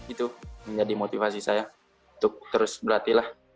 itu menjadi motivasi saya untuk terus berlatih lah